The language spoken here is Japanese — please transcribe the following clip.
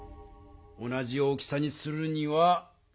同じ大きさにするには。